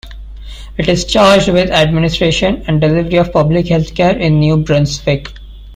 It is charged with administration and delivery of public healthcare in New Brunswick.